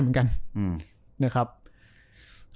เหมือนกัน